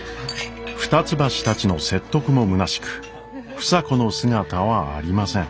二ツ橋たちの説得もむなしく房子の姿はありません。